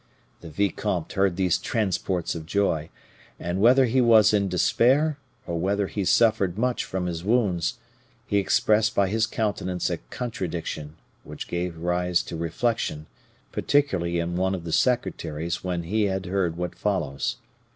"The vicomte heard these transports of joy, and whether he was in despair, or whether he suffered much from his wounds, he expressed by his countenance a contradiction, which gave rise to reflection, particularly in one of the secretaries when he had heard what follows.